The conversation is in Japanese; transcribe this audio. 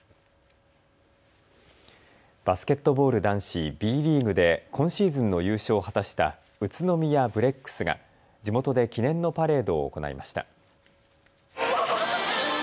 バスケットボール男子Ｂリーグで今シーズンの優勝を果たした宇都宮ブレックスが地元で記念のパレードを行いました。